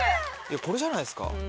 これじゃないっすか？